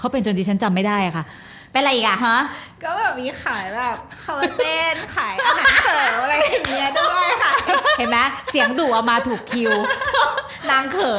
เป็นไรกันอ่ะคะ